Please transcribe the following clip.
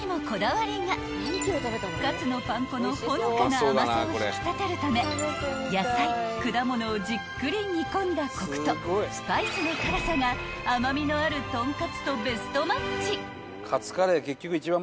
［かつのパン粉のほのかな甘さを引き立てるため野菜果物をじっくり煮込んだコクとスパイスの辛さが甘味のあるとんかつとベストマッチ］